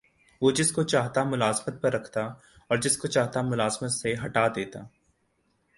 وہ جس کو چاہتا ملازمت پر رکھتا اور جس کو چاہتا ملازمت سے ہٹا دیتا